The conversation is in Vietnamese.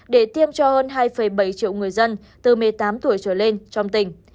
để tiêm cho hơn hai bảy triệu người dân từ một mươi tám tuổi trở lên trong tỉnh